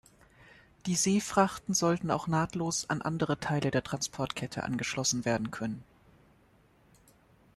Die Seefrachten sollten auch nahtlos an andere Teile der Transportkette angeschlossen werden können.